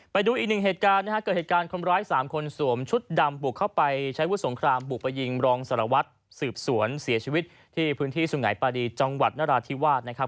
ไปดูอีกหนึ่งเหตุการณ์นะฮะเกิดเหตุการณ์คนร้ายสามคนสวมชุดดำบุกเข้าไปใช้วุฒิสงครามบุกไปยิงรองสารวัตรสืบสวนเสียชีวิตที่พื้นที่สุงัยปาดีจังหวัดนราธิวาสนะครับ